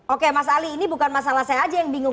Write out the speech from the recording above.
oke mas ali ini bukan masalah saya aja yang bingung